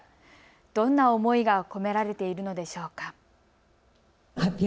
どんな思いが込められているのでしょうか。